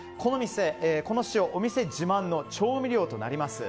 この塩お店自慢の調味料となります。